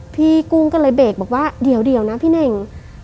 กุ้งก็เลยเบรกบอกว่าเดี๋ยวนะพี่เน่ง